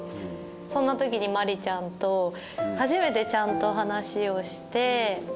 そんな時に麻里ちゃんと初めてちゃんと話をして。